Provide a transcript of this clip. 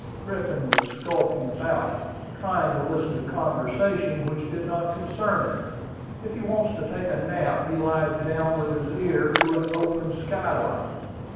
Griffin was skulking about, trying to listen to conversation which did not concern him. If he wants to take a nap, he lies down with his ear to an open skylight.